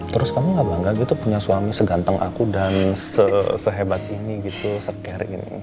terus kamu gak bangga gitu punya suami seganteng aku dan sehebat ini gitu secare ini